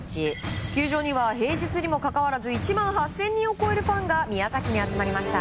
球場には平日にもかかわらず１万８０００人を超えるファンが宮崎に集まりました。